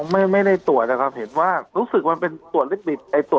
ไม่ได้ตรวจนะครับเห็นว่ารู้สึกมันเป็นตรวจลิบิต